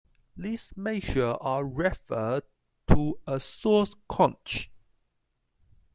These measures are referred to as source quench.